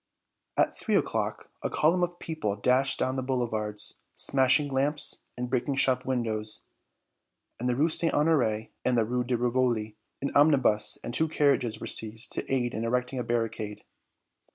At three o'clock a column of the people dashed down the boulevards, smashing lamps and breaking shop windows. In the Rue St. Honoré and the Rue de Rivoli an omnibus and two carriages were seized to aid in erecting a barricade.